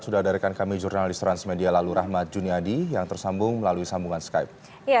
sudah ada rekan kami jurnalis transmedia lalu rahmat juniadi yang tersambung melalui sambungan skype